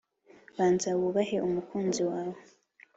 banza wubahe umukunzi wawe: